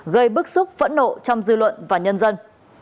gây bức xúc phẫn nộ trong dư luận và nhân dân